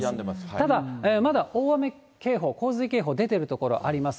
ただ、まだ大雨警報、洪水警報、出ている所あります。